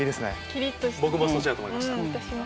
僕もそっちだと思いました。